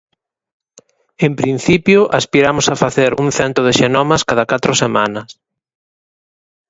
En principio, aspiramos a facer un cento de xenomas cada catro semanas.